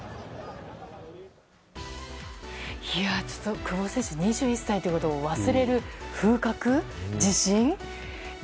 久保選手２１歳ということを忘れる風格自信。